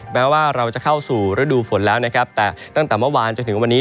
แม้ว่าเราจะเข้าสู่ฤดูฝนแล้วนะครับแต่ตั้งแต่เมื่อวานจนถึงวันนี้